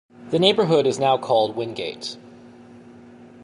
The neighborhood is now called Wingate.